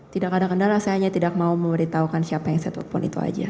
tidak ada kendala saya hanya tidak mau memberitahukan siapa yang saya telepon itu saja